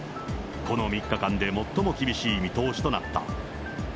この３日間で最も厳しい見通しとなった。